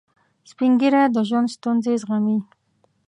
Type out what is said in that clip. سپین ږیری د ژوند ستونزې زغمي